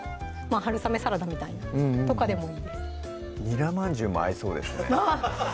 春雨サラダみたいなとかでもいいです「ニラまんじゅう」も合いそうですね